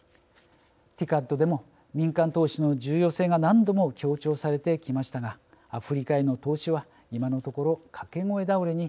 ＴＩＣＡＤでも民間投資の重要性が何度も強調されてきましたがアフリカへの投資は今のところ掛け声倒れに終わっています。